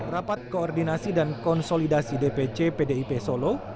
rapat koordinasi dan konsolidasi dpc pdip solo